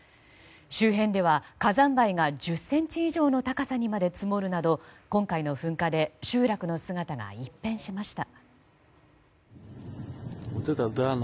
周辺では火山灰が１０ｃｍ以上の高さにまで積もるなど今回の噴火で集落の姿が一変しました。